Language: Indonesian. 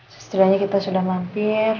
sesudahnya kita sudah mampir